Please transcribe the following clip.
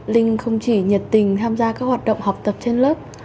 linh không chỉ nhiệt tình tham gia các hoạt động học tập trên lớp